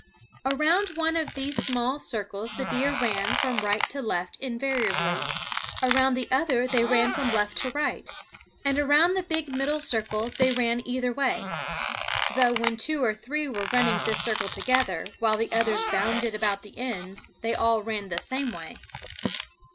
Around one of these small circles the deer ran from right to left invariably; around the other they ran from left to right; and around the big middle circle they ran either way, though when two or three were running this circle together, while the others bounded about the ends, they all ran the same way.